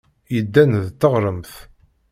Yeddan d teɣremt.